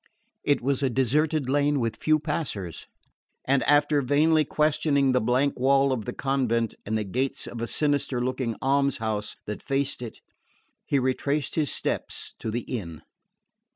It was a deserted lane with few passers; and after vainly questioning the blank wall of the convent and the gates of a sinister looking alms house that faced it, he retraced his steps to the inn.